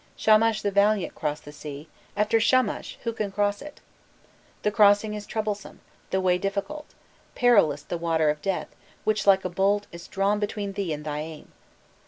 Shamash the valiant crossed the sea; after Shamash, who can cross it? The crossing is troublesome, the way difficult, perilous the Water of Death, which, like a bolt, is drawn between thee and thy aim.